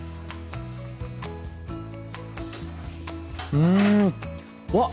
うんうわっ！